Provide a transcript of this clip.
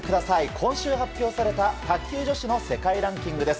今週発表された卓球女子の世界ランキングです。